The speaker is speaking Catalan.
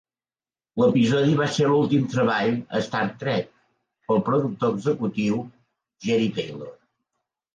L'episodi va ser l'últim treball a "Star Trek" pel productor executiu Jeri Taylor.